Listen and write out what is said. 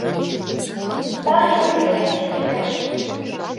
Старший Терентьев лиеш.